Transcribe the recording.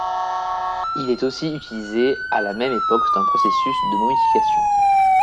Il est aussi utilisé à la même époque dans le processus de momification.